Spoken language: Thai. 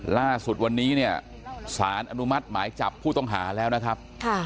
ล่าสุดวันนี้เนี่ยสารอนุมัติหมายจับผู้ต้องหาแล้วนะครับ